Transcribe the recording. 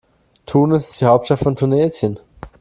Tunis ist die Hauptstadt von Tunesien.